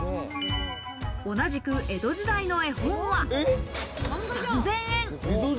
同じく江戸時代の絵本は、３０００円。